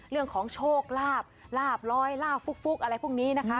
เรื่องของโชคลาบลาบร้อยลาบฟุกอะไรพวกนี้นะคะ